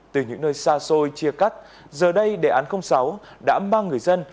từ những nơi xa xôi chia cắt giờ đây đề án sáu đã mang người dân